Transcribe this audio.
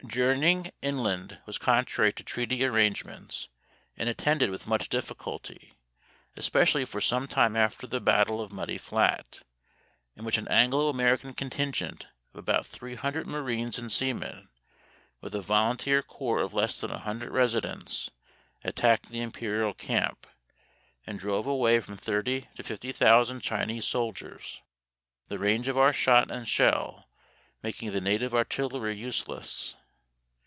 Journeying inland was contrary to treaty arrangements, and attended with much difficulty, especially for some time after the battle of Muddy Flat, in which an Anglo American contingent of about three hundred marines and seamen, with a volunteer corps of less than a hundred residents, attacked the Imperial camp, and drove away from thirty to fifty thousand Chinese soldiers, the range of our shot and shell making the native artillery useless.